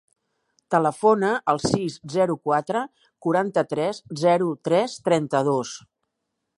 Telefona al sis, zero, quatre, quaranta-tres, zero, tres, trenta-dos.